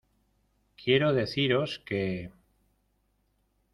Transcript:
Quiero deciros que...